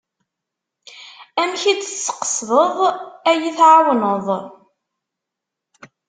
Amek i d-tqesdeḍ ad yi-εawneḍ?